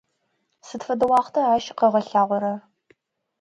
Сыд фэдэ уахъта ащ къыгъэлъагъорэр?